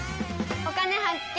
「お金発見」。